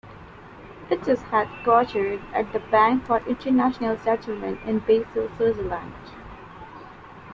It is headquartered at the Bank for International Settlements in Basel, Switzerland.